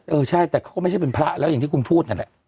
เออใช่แต่เขาก็ไม่ใช่เป็นพระแล้วอย่างที่คุณพูดนั่นแหละ